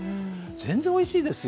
全然おいしいですよ。